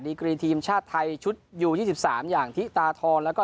ดีกรีทีมชาติไทยชุดอยู่ยี่สิบสามอย่างทิตาทรแล้วก็